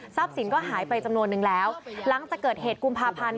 สินก็หายไปจำนวนนึงแล้วหลังจากเกิดเหตุกุมภาพันธ์